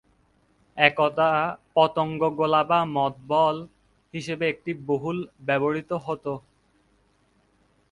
একদা পতঙ্গ গোলা বা মথ বল হিসেবে এটি বহুল ব্যবহৃত হত।